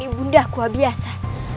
ibu ndaku abiasa